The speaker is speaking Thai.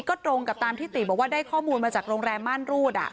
ก็ตรงกับตามที่ติบอกว่าได้ข้อมูลมาจากโรงแรมม่านรูด